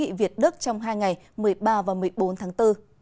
hội nghị việt đức trong hai ngày một mươi ba và một mươi bốn tháng bốn